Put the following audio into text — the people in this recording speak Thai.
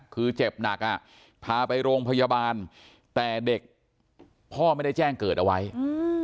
คือเจ็บหนักอ่ะพาไปโรงพยาบาลแต่เด็กพ่อไม่ได้แจ้งเกิดเอาไว้อืม